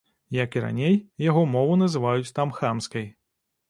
Як і раней, яго мову называюць там хамскай.